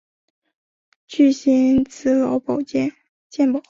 具薪资劳健保